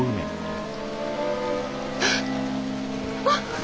あっ。